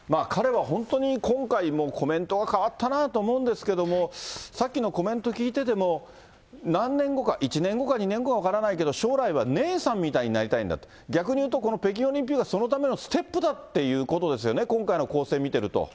彼は本当に今回もコメントが変わったなと思うんですけれども、さっきのコメント聞いてても、何年後か、１年後か２年後か分からないけど、将来はネイサンみたいになりたいんだと、逆にいうと、この北京オリンピックはそのためのステップだっていうことですよ